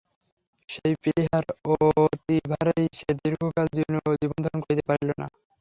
সেই প্লীহার অতিভারেই সে দীর্ঘকাল জীবনধারণ করিতে পারিল না।